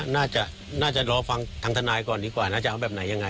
น่าจะน่าจะรอฟังทางทนายก่อนดีกว่าน่าจะเอาแบบไหนยังไง